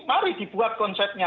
mari dibuat konsepnya